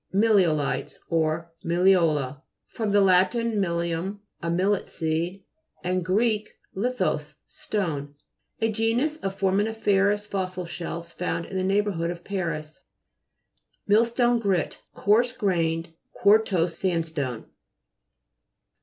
MI'LLIOLITES, or MILI'OLA fr. lat. milium, a millet seed, and gr. lithos, stone. A genus of foramini'ferous fossil shells found in the neighbor hood of Paris. MILLSTONE GRIT Coarse grained, quartzose sandstone.